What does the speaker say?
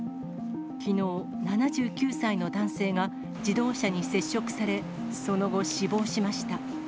きのう、７９歳の男性が自動車に接触され、その後、死亡しました。